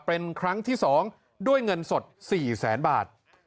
เป็นครั้งที่๒ด้วยเงินสด๔แสนบาท